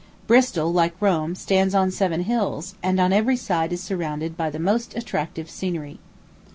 Bristol, like Rome, stands on seven hills, and on every side is surrounded by the most attractive scenery.